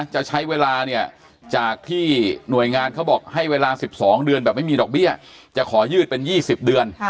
จะใช้เวลาเนี่ยจากที่หน่วยงานเขาบอกให้เวลา๑๒เดือนแบบไม่มีดอกเบี้ยจะขอยืดเป็น๒๐เดือน